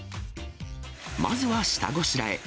まずは下ごしらえ。